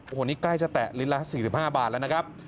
โอ้โหนี่ใกล้จะแตะลิตรละ๔๕บาทแล้วนะครับ